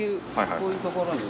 こういう所に。